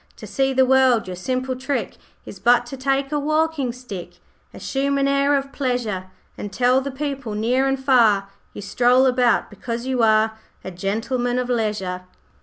To see the world, your simple trick Is but to take a walking stick Assume an air of pleasure, And tell the people near and far You stroll about because you are A Gentleman of Leisure.'